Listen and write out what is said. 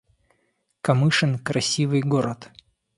Камышин — красивый город